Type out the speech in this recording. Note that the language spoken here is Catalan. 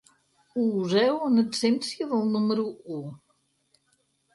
Ho useu en absència del número u.